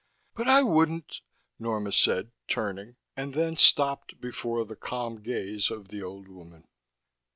"But I wouldn't " Norma said, turning, and then stopped before the calm gaze of the old woman.